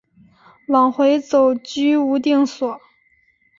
往回走居无定所